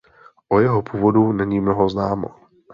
O jeho původu není mnoho známo.